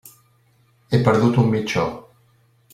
He perdut un mitjó.